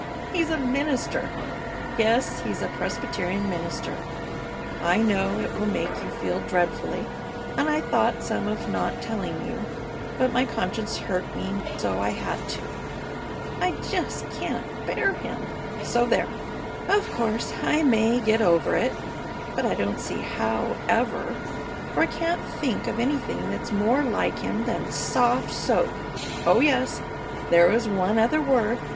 he's a minister! Yes, he's a Presbyterian minister! I know it will make you feel dreadfully, and I thought some of not telling you, but my conscience hurt me so I had to. I just can't bear him, so there! Of course, I may get over it, but I don't see how ever, for I can't think of anything that's more like him than soft soap! Oh yes, there is one other word.